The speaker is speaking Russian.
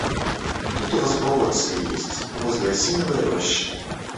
Тут у вас болотце есть, возле осиновой рощи.